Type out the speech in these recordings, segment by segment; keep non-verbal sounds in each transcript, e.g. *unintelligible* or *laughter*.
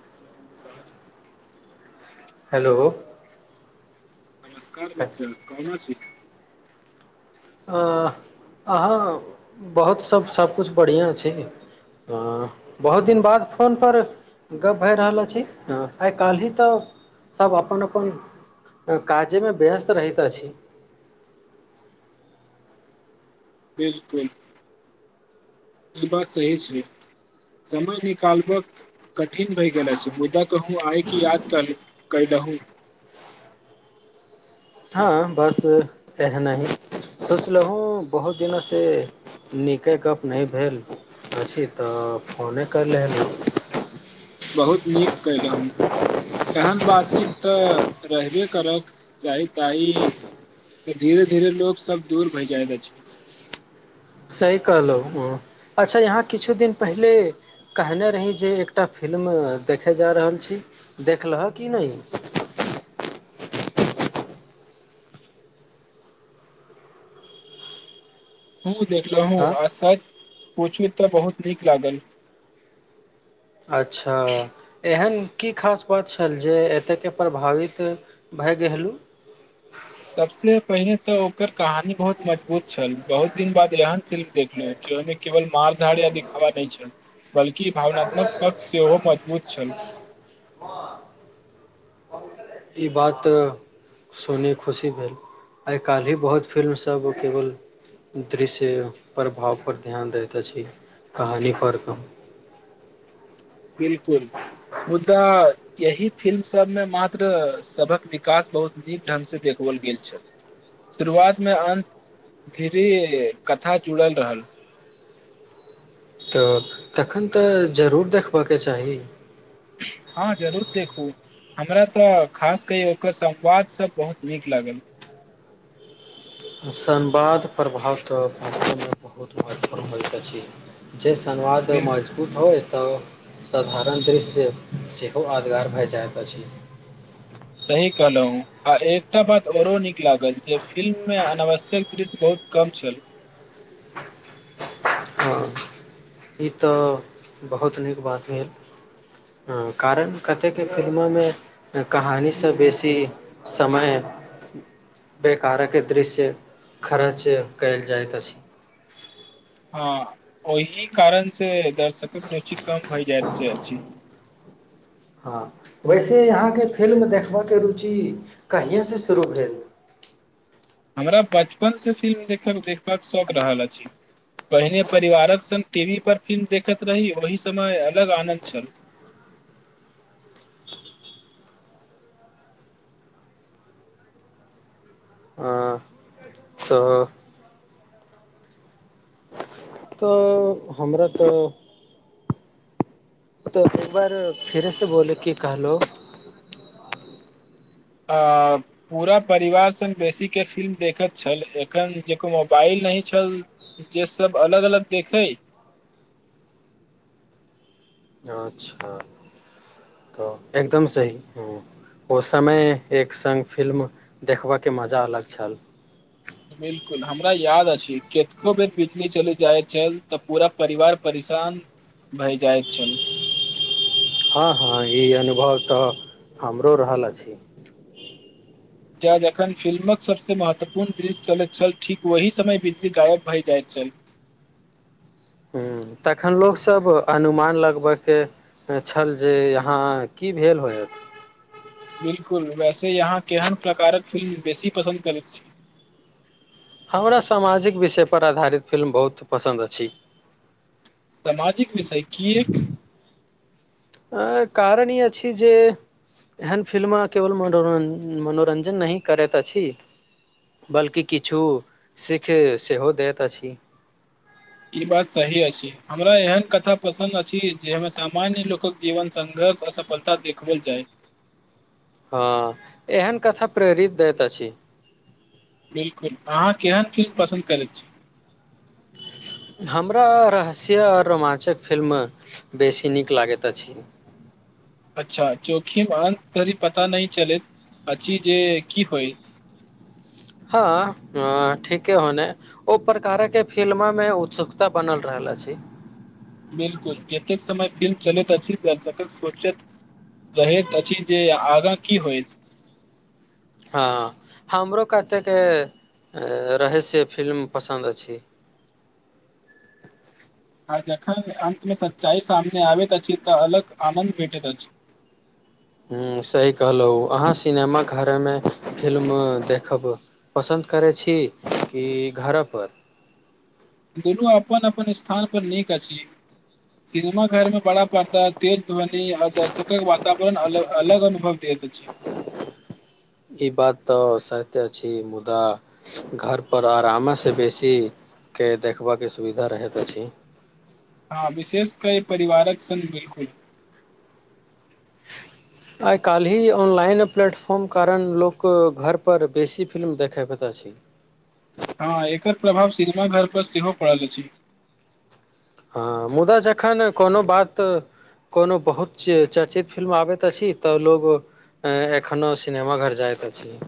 *unintelligible* Hello. कर अ, मित्र कन छै अहाँ बहुत सभ सभकिछु बढ़िआ छी हा बहुत दिन बाद फोन पर गप्प भए रहल अछि हँ आई काल्हि तऽ सभ अपन अपन काजे मे व्यस्त रहैत अछि। बिल्कूल ई बात सही छै समय निकालब कठिन भहि गेला सम मुदा कहूँ आय कि याद कर रहू ह बस एहना ही सोचलहु बहुत दिनसँ नीके गप्प नहि भेल अछि तऽ फोने करि लेलहु बहुत नीक कलहु। एहन बातचीत तऽ रहबे करक चाही ताहि तऽ धीरे धीरे लोग सब दूर भै जायत अछि सही कहलहुँ अच्छा यहाँ किछु दिन पहिले कहने रही जे एकटा फिलि्म देखय जा रहल छी देखलह कि नय ह देखलोहूँ हँ आ सच पुछू तऽ बहुत नीक लागल अच्छा एहन की खास बात छल जे एतयके प्रभावित भाग्य गेहलूँ सबसे पहिने तऽ ओकर कहानी बहुत मजबूत छल बहुत दिन बाद एहन फिल्म देखलहु जो ओ केवल मारधार या दिखावा नय छल बल्कि भावनात्मक कक्ष सेहो मजबूत छल *inaudible* ई बात सोन खुशी भेल आइ काल्ह ही बहुत फिल्मसभ ओ केवल दृश्य प्रभाव पर ध्यान दैत छी कहानी पर कम बिलकुल मुद्दा एहि फिल्मसभमे मात्र सभक विकास बहुत नीक ढङ्गसँ देखाओल गेल छल शुरुआतमे अन धरी कथा जुड़ल रहल तऽ तखन तऽ जरूर देखबऽ के चाही हँ जरूर देखू हमरा तऽ खास की ओकर संवाद सब बहुत नीक लागल संवाद प्रभाव तऽ भमे बहुत महत्वपूर्ण होइत अछि जे बिल संवादमे *unintelligible* ट होइ तऽ साधारण दृश्य सेहो यादगार भए जाइत अछि सही कहलहुँ आ एकटा बात ओरो नीक लागल जे फिल्म मे अनावश्यक दृश्य बहुत कम छल *inaudible* हँ ई तऽ बहुत नीक बात भेल हँ कारण कतेक फिल्मो मे कहानी सँ बेसी समय बेकारक दृश्य खर्च कयल जाइत अछि हँ ओहि कारण से दर्शकक रुचि कम भय जायइत अछि हँ वैसे अहाँके फिल्म देखबऽके रुचि कहिएसँ शुरू भेल हमरा बचपनसँ फिल्म देख देखबाक शौक रहल अछि पहिने परिवारक संग टी वी पर फिल्म देखैत रही ओहि समय अलग आनंन्द छल आ तऽ तऽ हमरा त तो एक बार फिरसँ बोले कि कहलो आ पूरा परिवार संग बेसीके फिल्म देखैत छल एखन जेको मोबाइल नहि छल जे सब अलग अलग देखे अच्छा तऽ एकदम सही ह ओ समय एक संग फिल्म देखबऽके मजा अलग छल बिलकुल हमरा याद अछि कतको बेर बिछली चल जाइत छल तऽ पूरा परिवार परेशान भइ जाय छल हँ हँ ई अनुभव तऽ हमरो रहल अछि ज जखन फिल्मक सभसँ महत्वपूर्ण दृश्य चलैत छल ठीक ओहि समय बिजली गायब भए जाइत छल हुँ तखन लोक सब अनुमान लगबयके छल जे यहाँ की भेल होयत बिल्कुल वैसे यहाँ केहन प्रकारक फिल्म बेसी पसन्द करैत छै हमरा सामाजिक विषयपर आधारित फिल्म बहुत पसन्द अछि सामाजिक विषय किएक अ कारण ई अछि जे एहन फिल्म केवल मनो मनोरञ्जन नहि करैत अछि बल्कि किछु सिक्ख सेहो दैत अछि। ई बात सही अछि हमरा एहन कथा पसन्द अछि जे हम सामान्य लोकक जीवन संघर्ष आ सफलता देखबल जाय हँ एहन कथा प्रेरित दैत अछि बिल्कुल अहाँ केहन फिल्म पसन्द करैत छी हमरा रहस्य आ रोमाञ्चक फिल्म बेसी नीक लागैत अछि अच्छा जोखिम आन धरि पता नहि चलैत अछि जे की होइ हँ ठीके होने ओ प्रकार के फिल्म मे उत्सुकता बनल रहल अछि बिल्कुल जतेक समय बिल चलैत अछि दर्शकक सोचत कहैत अछि जे आगाँ की होइत हँ हमरो कतेके रहस्य फिल्म पसन्द अछि आ जखन अंत मे सच्चाई सामने आबैत अछि तऽ अलग आनंद भेटैत अछि हुँ सही कहलहु अहाँ सिनेमा घरेमे फिल्म देखब पसन्द करैत छी कि घर पर दुनू अपन अपन स्थान पर नीक अछि सिनेमा घर मे बड़ा पर्द तेज ध्वनि आ दर्शकक वातावरण अलग अलग अनुभव दैत अछि ई बात तऽ सहते छी मुदा घर पर आराम से बेसी के देखबाके सुविधा रहैत अछि हँ विशेष कय परिवारक सङ् बिल्कुल *inaudible* आइ काल्ही ऑनलाइन प्लेटफॉर्म कारण लोक घरपर बेसी फिल्म देखयत अछि हँ एकर प्रभाव सिनेमा घर पर सेहो पड़ल अछि हँ मुदा जखन कोनो बात कोनो बहुत चर्चित फिल्म आबैत अछि तऽ लोग अ एखनो सिनेमा घर जाइत अछि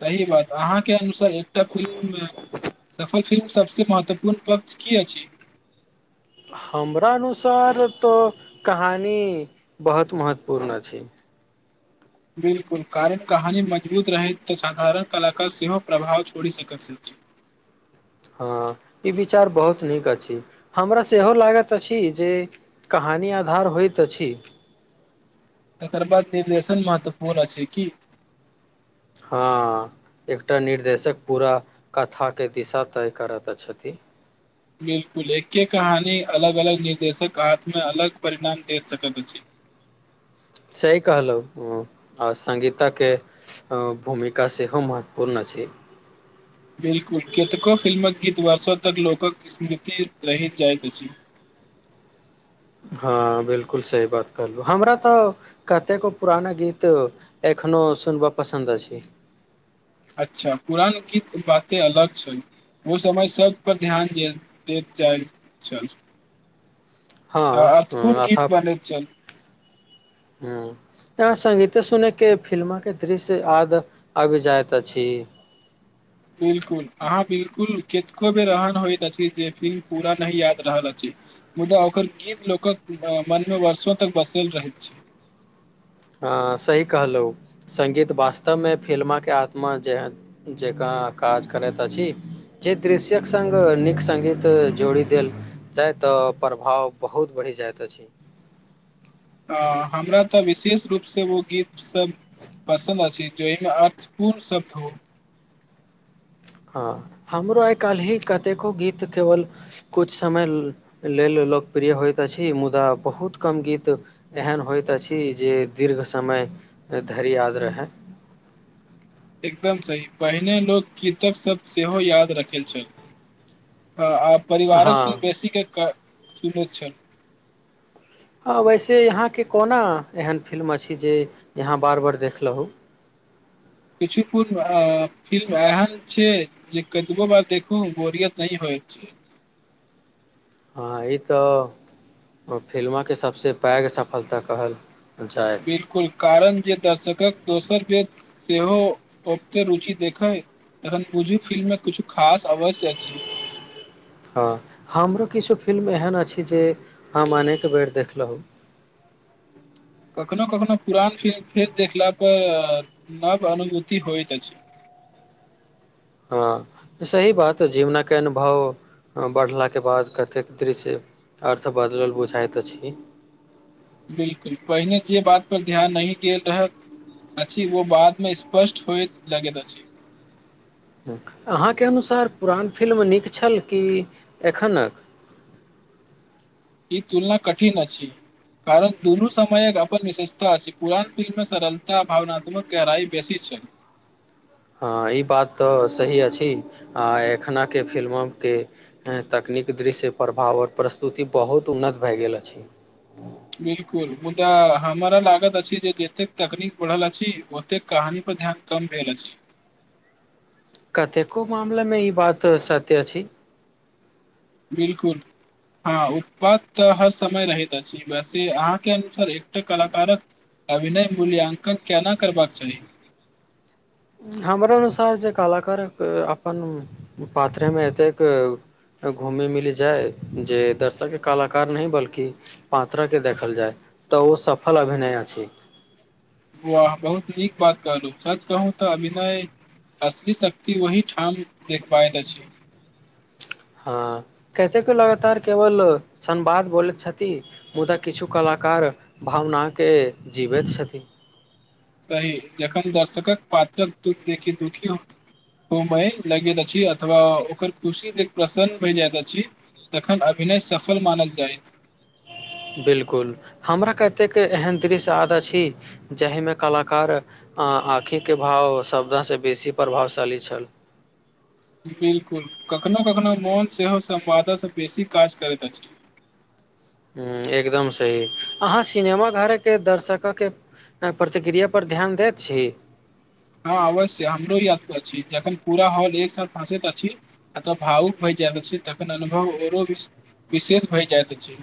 सही बात अहाँके अनुसार एकटा फिल्म मे सफल फिल्म सबसँ महत्वपूर्ण पक्ष की अछि हमरा अनुसार तो कहानी बहुत महत्वपूर्ण अछि बिल्कुल कारक कहानी मजबूत रहैत तऽ साधारण कलाकार सेहो प्रभाव छोड़ि सकैत छथि। हँ ई विचार बहुत नीक अछि हमरा सेहो लागैत अछि जे कहानी आधार होइत अछि तकर बाद निर्देशन महत्वपूर्ण अछि की हँ एकटा निर्देशक पूरा कथाके दिशा तय करैत छथि बिल्कुल एके कहानी अलग अलग निर्देशक हाथ मे अलग परिणाम दे सकैत अछि सहि कहलहु हँ आ संगीता के भूमिका सेहो महत्वपूर्ण छै। बिल्कुल कतेको फिल्म कऽ गीत वर्षोतर लोक स्मृति रहित जाइत अछि। ह बिल्कूल सही बात कहलहु हमरा तऽ कतेको पुराना गीत एखनो सुनबा पसन्द अछि। अच्छा पुरान गीत बाते अलग छैय ओ समय सभ पर ध्यान दे जाई छल हा हा अर्थ कोनू गीत बनेत चल ह यहाँ संगीते सुने के फिल्म के दृश्य याद आबि जाइत अछि बिल्कूल अहाँ बिलकुल कतको बेर रहन होइत अछि जे फिल्म पूरा नहि याद रहल अछि मुदा ओकर गीत लोक मनमे वर्षो तक बसल रहैत छै ह सही कहलहु संगीत वास्तव मे फिल्माके आत्मा जे जकाँ काज करैत अछि जे दृश्य्यक संघ नीक संगीत जोड़ि देल जा तऽ प्रभाव बहुत बढ़ि जाइत अछि। हमरा तऽ विशेष रूप से ओ गीत सभ पसन्द अछि जो एहिमे अर्थपूर्ण शब्द ह हँ हमरो आई काल्हि ही कतेको गीत केवल कुछ समय लेल लोकप्रिय होइत अछि मुदा बहुत कम गीत। एहन होइत अछि जे दीर्घ समय धरि याद रहया एकदम सही पहिने लोक कित सभ सेहो याद रखल छल हँ आ परिवारक सँ हँ बेसी सुन छल ह वैसे यहाँके कोना एहन फिल्म अछि जे यहाँ बार बार देख लू किछु कोूर्ण फिल्म एहन छै। जे कदबो बार देख बोरियत नहि होय छै। ह ई तऽ ओ फिल्मे सभसँ पैघ सफलता कहल जाय बिल्कूल कारण जे दर्शक दोसर वेद सेहो ओते रुचि देखै तखन पूझ फिल्म मे किछु खास अवश्य अछि। ह हमरो किछो फिल्म एहन अछि जे हम अनेक बेर देखलहुँ कखनो कखनो पुरान फिल फिल्म देखला पर नाव अनुभूति होइत अछि हँ सही बात जीवन के अनुभव बढ़ला के बाद कतेक दृश्य अर्थ बदल बुझाइत छी बिल्कूल पहिने जे बात पर ध्यान नहि गेल रहत अछि वो बात मे स्पष्ट होए लगैत अछि अहाँकेँ अनुसार पुरान फिल्म नीक छल कि एखनक ई तुलना कठिन अछि। कारण दुनू समयक अपन विशेषता अछि पुरान फिल्ममे सरलता भावनात्मक गहराई बेसी छैय ह ई बात तऽ सही अछि आ एखने फिल्म के ह तकनीक दृश्य प्रभाव ओर प्रस्तुति बहुत उन्नत भए गेल अछि बिल्कुल मुदा हमरा लागत अछि जे जते तकनीकऽ बढ़ल अछि ओते कहानी पर ध्यान कम भेल छै कतेको माला मे ई बात सत्य अछि बिल्कूल हँ उत्पाद तऽ हर समय रहैत अछि वैसे अहाँके अनुसार एकटा कलाकारक अभिनय मूल्यांकन केना करबाक चाही हमर अनुसार जे कलाकार अपन पात्रे मे एतै घूमै मिली जाइ जे दर्शक कलाकार नहि बल्कि पात्र के देखल जाय तऽ ओ सफल अभिनय अछि वुआह बहुत नीक बात कहलु सच कहू त अभिनय असली शक्ति वही ठाम देखबाैत अछि हँ कते के लगातार केवल संवाद बोलै छथि मुद्दा किछु कलाकार भावनाके जीवैत छथि सही जखन दर्शक पात्रक दुःख देखी दुःखी हो लगैत अछि अथवा ओकर खुशी प्रसन्न भय जाइत अछि तखन अभिनय सफल मानल जायत बिल्कुल हमरा क एतेक एहन दृश्य याद अछि जाहिमे कलाकार आँखिके भाव शब्द से बेसी प्रभावशाली छल बिल्कुल कखनो कखनो मोन सेहो समवादा सँ बेसी काज करैत अछि ह एकदम सही अहाँ सिनेमा घरके दर्शकके प्रतिक्रिया पर ध्यान दैत छी हँ अवश्य हमरो याद छी जखन पूरा हॉल एक साथ हँसैत अछि एत भावुक भय जायइत अछि तखन अनुभव ओरो विशेष भए जायइत अछि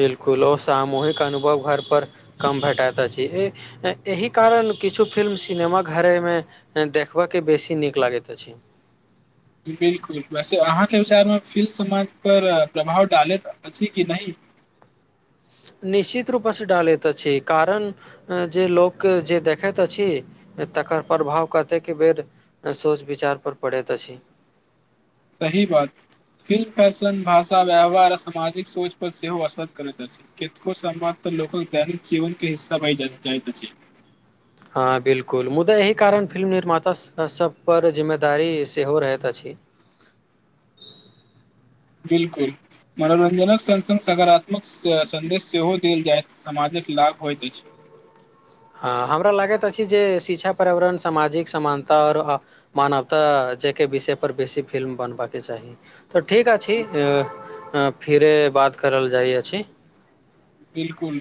बिलकुल ओ सामूहिक अनुभव घर पर कम भेटैत अछि एहि कारण किछु फिल्म सिनेमा घरेमे ह देखबा के बेसी नीक लागैत अछि बिल्कुल वैसे अहाँके विचारमे फिल्म समाज परर प्रभाव डालैत अछि कि नहि निश्चित रूप से डालैत अछि कारण जे लोकके जे देखैत अ छी तकर प्रभाव कतेक बेर सोच विचार पर पड़ेत अछि सही बात फिल्म फैशन भाषा व्यवहार आ सामाजिक सोच पर सेहो असर करैत अछि कितको संवाद तऽ लोक दैनिक जीवन के हिस्सा भइ जाइत अछि हँ बिलकुल मुद्दा एहि कारण फिल्म निर्मातास सभप जिम्मेदारी सेहो रहैत अछि बिलकुल मनोरञ्जनक संग संग सकारात्मक सन्देश सेहो देल जाइत समाजक लाभ होइत अछि हँ हमरा लागैत अछि जे शिक्षा पर्यावरण सामाजिक समानता ओर मानवता जाहिके विषयपर बेसी फिल्म बनबा के चाही तऽ ठीक अछि फिरे बात करल जाइ अछि बिल्कुल